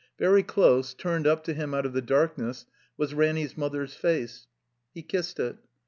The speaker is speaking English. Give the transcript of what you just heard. Very dose, turned up to him out of the darkness, was Ranny's mother's face. He kissed it.